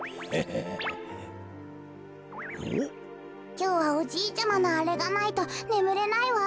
きょうはおじいちゃまのあれがないとねむれないわ。